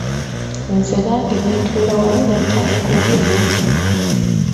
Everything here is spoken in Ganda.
Nze nange ne ntuula wali ne ntandika okulya.